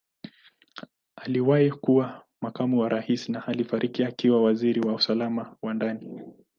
Aliwahi kuwa Makamu wa Rais na alifariki akiwa Waziri wa Usalama wa Ndani.